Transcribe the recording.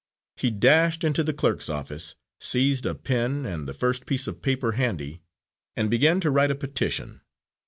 He dashed into the clerk's office, seized a pen, and the first piece of paper handy, and began to write a petition.